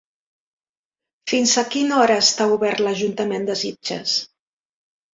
Fins a quina hora està obert l'Ajuntament de Sitges?